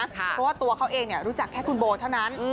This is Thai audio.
เพราะว่าตัวเขาเองรู้จักแค่คุณโบเท่านั้น